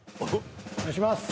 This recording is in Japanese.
お願いします。